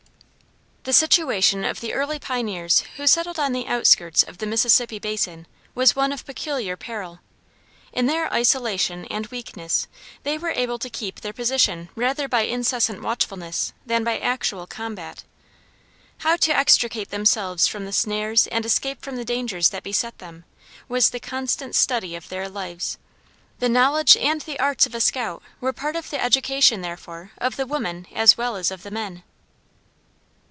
The situation of the earlier pioneers who settled on the outskirts of the Mississippi basin was one of peculiar peril. In their isolation and weakness, they were able to keep their position rather by incessant watchfulness, than by actual combat. How to extricate themselves from the snares and escape from the dangers that beset them, was the constant study of their lives. The knowledge and the arts of a scout were a part of the education, therefore, of the women as well as of the men.